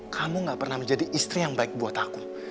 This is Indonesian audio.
kamu gak pernah menjadi istri yang baik buat aku